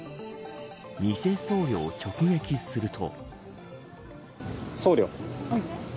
偽僧侶を直撃すると。